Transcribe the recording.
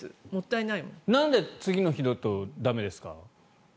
なんで次の日だと駄目ですか？